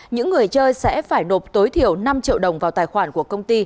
những người chơi sẽ phải nộp tối thiểu năm triệu đồng vào tài khoản của công ty